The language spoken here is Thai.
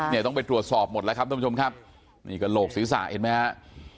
เนี่ยต้องไปตรวจสอบหมดแล้วครับท่านผู้ชมครับนี่กระโหลกศีรษะเห็นไหมฮะ